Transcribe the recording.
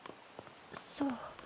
そう。